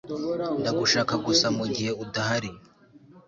Ndagushaka gusa mugihe udahari